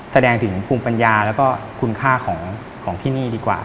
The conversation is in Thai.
แสดงถึงภูมิปัญญาแล้วก็คุณค่าของที่นี่ดีกว่า